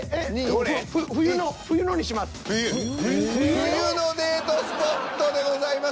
「冬のデートスポット」でございます。